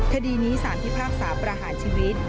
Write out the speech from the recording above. คดีนี้สารพิพากษาประหารชีวิต